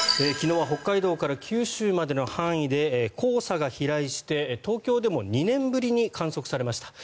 昨日は北海道から九州までの範囲で黄砂が飛来して東京でも２年ぶりに観測されました。